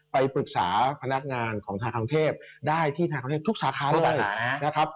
ไปปรึกษาพนักงานของทางกรุงเทพได้ที่ธนาคารกรุงเทพทุกสาขาเลยนะครับ